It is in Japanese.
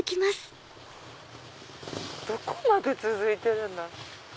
どこまで続いてるんだろう。